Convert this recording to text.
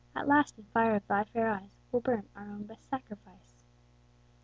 At last, in fire of thy fair eyes, We'll burn, our own best sacrifice.